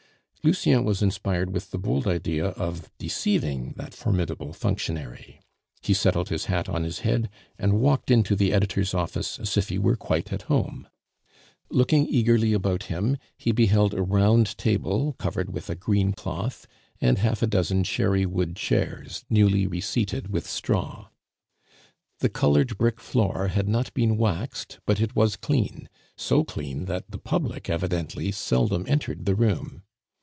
Lucien was inspired with the bold idea of deceiving that formidable functionary. He settled his hat on his head, and walked into the editor's office as if he were quite at home. Looking eagerly about him, he beheld a round table covered with a green cloth, and half a dozen cherry wood chairs, newly reseated with straw. The colored brick floor had not been waxed, but it was clean; so clean that the public, evidently, seldom entered the room.